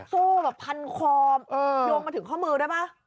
โซ่แบบพันคอมโยงมาถึงข้อมือได้ไหม